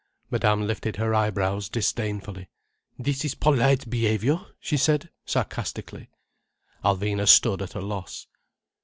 Madame lifted her eyebrows disdainfully. "This is polite behaviour!" she said sarcastically. Alvina stood at a loss.